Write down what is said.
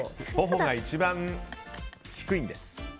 頬が一番低いんです。